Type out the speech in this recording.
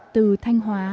từ thanh hóa